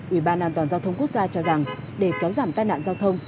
ủy ban an toàn giao thông quốc gia cho rằng để kéo giảm tai nạn giao thông